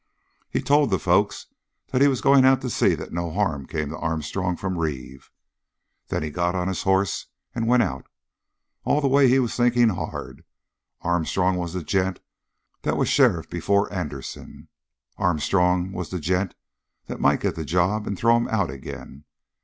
He told the folks that he was going out to see that no harm come to Armstrong from Reeve. Then he got on his hoss and went out. All the way he was thinking hard. Armstrong was the gent that was sheriff before Anderson; Armstrong was the gent that might get the job and throw him out again.